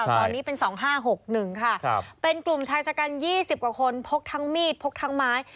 ใช่ตอนนี้เป็นสองห้าหกหนึ่งค่ะครับเป็นกลุ่มใช้ชะกันยี่สิบกว่าคนพกทั้งมีดพกทั้งไม้